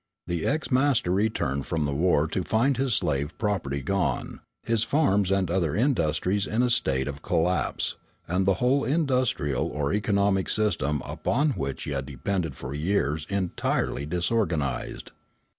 The ex master returned from the war to find his slave property gone, his farms and other industries in a state of collapse, and the whole industrial or economic system upon which he had depended for years entirely disorganised.